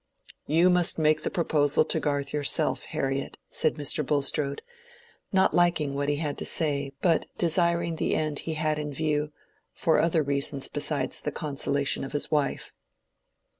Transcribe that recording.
"You must make the proposal to Garth yourself, Harriet," said Mr. Bulstrode, not liking what he had to say, but desiring the end he had in view, for other reasons besides the consolation of his wife.